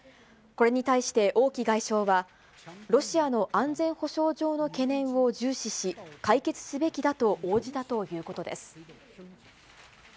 これに対して王毅外相は、ロシアの安全保障上の懸念を重視し、解決すべきだと応じたということです。